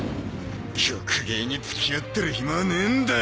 曲芸に付き合ってるヒマはねえんだ